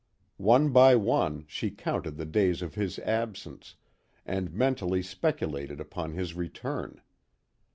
One by one, she counted the days of his absence, and mentally speculated upon his return.